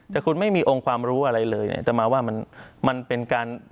แต่คุณไม่มีองค์ความรู้อะไรเลยเนี่ยแต่มาว่ามันมันเป็นการ